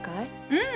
うん。